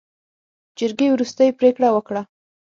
جرګې وروستۍ پرېکړه وکړه.